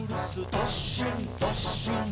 どっしんどっしん」